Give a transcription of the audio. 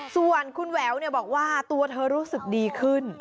ส่วนคุณแหววบอกว่าตัวเธอรู้สึกดีขึ้น